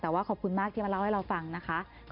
แต่ว่าขอบคุณมากที่มาเล่าให้เราฟังนะคะ